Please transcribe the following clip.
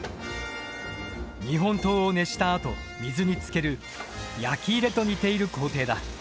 日本刀を熱したあと水につける焼き入れと似ている工程だ。